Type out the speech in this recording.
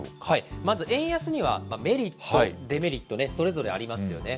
まず、円安にはメリット、デメリット、それぞれありますよね。